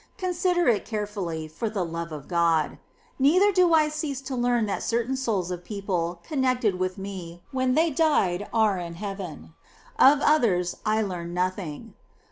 Consider it carefully, for the love of God ! Neither do I cease to learn that certain souls of people connected with me when they died are in heaven : of others I learn nothing.